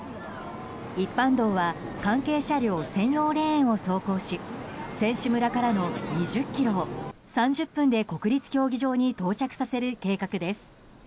一般道は関係車両専用レーンを走行し選手村からの２０ｋｍを３０分で国立競技場に到着させる計画です。